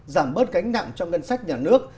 giảm bớt gánh nặng trong ngân sách nhà nước